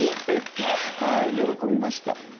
はい喜びました。